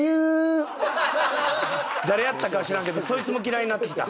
誰やったかは知らんけどそいつも嫌いになってきた。